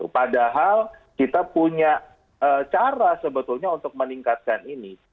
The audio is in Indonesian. padahal kita punya cara sebetulnya untuk meningkatkan ini